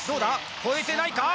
越えてないか？